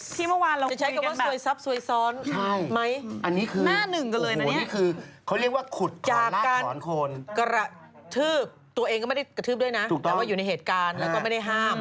ทำไมเห็นได้ซับสี่เมื่อวานเราคุยกันบาท